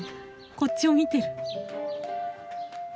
こっちを見てる。